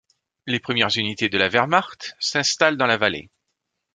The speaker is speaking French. Les premières unités de la Wehrmacht s'installent dans la vallée.